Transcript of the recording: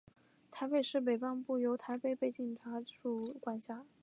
台北市北半部由台北北警察署管辖。